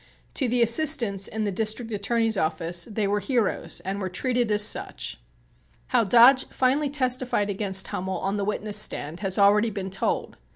To the assistants in the District Attorney's office they were heroes and were treated as such. How Dodge finally testified against Hummel on the witness stand has already been told.